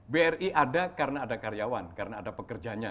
bri ada karena ada karyawan karena ada pekerjanya